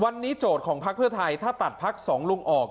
วันนี้โจทย์ของพักเพื่อไทยถ้าตัดพักสองลุงออก